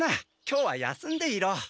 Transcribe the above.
今日は休んでいろ。